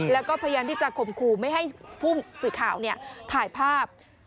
แล้วก็พยายามที่จะข่มขู่ไม่ให้ผู้สื่อข่าวถ่ายภาพ